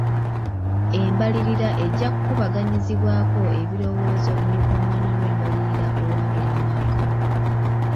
Embalirira ejja kkubaganyizibwako ebirowoozo mu lukungaana lw'embalirira olwa buli mwaka.